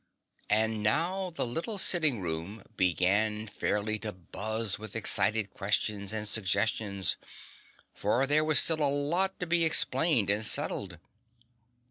And now the little sitting room began fairly to buzz with excited questions and suggestions, for there was still a lot to be explained and settled.